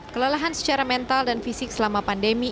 kelelahan secara mental dan fisik selama pandemi